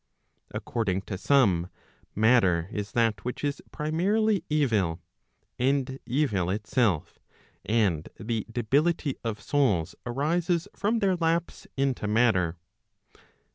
According to some, matter is that which is primarily evil, and evil itself, and the debility of souls arises from their lapse into matter.